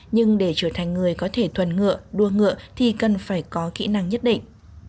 nhưng để trở thành người có thể thuần ngựa đua ngựa thì cần phải có kỹ năng nhất định